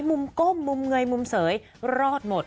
ก้มมุมเงยมุมเสยรอดหมด